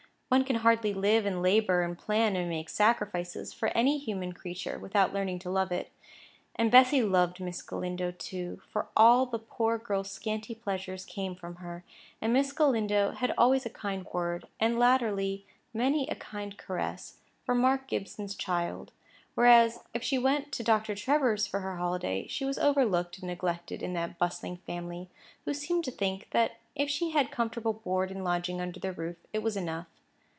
One can hardly live and labour, and plan and make sacrifices, for any human creature, without learning to love it. And Bessy loved Miss Galindo, too, for all the poor girl's scanty pleasures came from her, and Miss Galindo had always a kind word, and, latterly, many a kind caress, for Mark Gibson's child; whereas, if she went to Dr. Trevor's for her holiday, she was overlooked and neglected in that bustling family, who seemed to think that if she had comfortable board and lodging under their roof, it was enough.